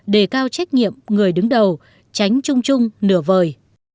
để cao trách nhiệm người đứng đầu tránh trung trung nửa vời